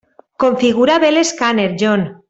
Configura bé l'escàner, John.